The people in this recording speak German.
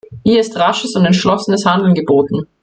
Hier ist rasches und entschlossenes Handeln geboten.